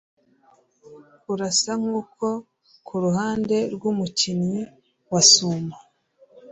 Urasa nkuto kuruhande rwumukinnyi wa sumo.